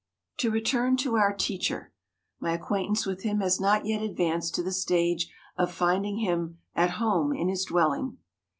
To return to our "teacher." My acquaintance with him has not yet advanced to the stage of finding him "at home" in his dwelling.